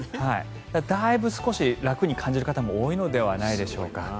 だいぶ楽に感じる方も多いのではないでしょうか。